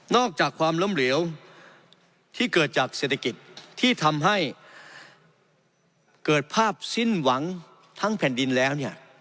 อกจากความล้มเหลวที่เกิดจากเศรษฐกิจที่ทำให้เกิดภาพสิ้นหวังทั้งแผ่นดินแล้วเนี่ย